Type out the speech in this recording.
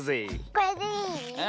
これでいい？